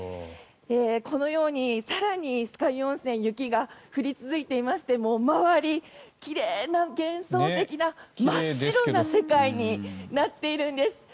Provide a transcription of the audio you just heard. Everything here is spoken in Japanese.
このように更に酸ヶ湯温泉は雪が降り続いていましてもう周り、奇麗な幻想的な真っ白な世界になっているんです。